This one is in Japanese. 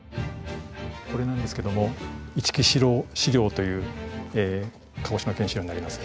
これなんですけども「市来四郎史料」という「鹿児島県史料」になります。